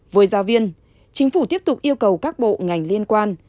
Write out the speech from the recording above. với giáo viên chính phủ tiếp tục yêu cầu các bộ ngành liên quan